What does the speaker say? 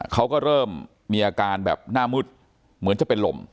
เขาก็เริ่มมีอาการแบบหน้ามืดเหมือนจะเป็นลม